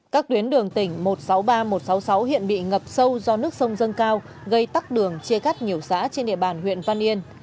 các tuyến đường tỉnh một trăm sáu mươi ba một trăm sáu mươi sáu hiện bị ngập sâu do nước sông dâng cao gây tắc đường chia cắt nhiều xã trên địa bàn huyện văn yên